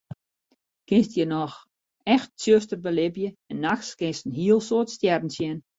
Kinst hjir noch echt tsjuster belibje en nachts kinst in hiel soad stjerren sjen.